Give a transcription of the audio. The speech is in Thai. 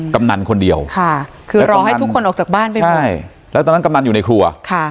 กำนันคนเดียวค่ะคือรอให้ทุกคนออกจากบ้านไปหมดใช่แล้วตอนนั้นกำนันอยู่ในครัวค่ะ